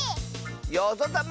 よぞたま！